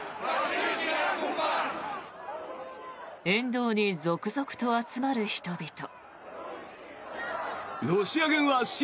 沿道に続々と集まる人々。